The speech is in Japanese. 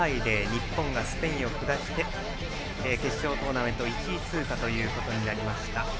日本がスペインを下して決勝トーナメント１位通過となりました。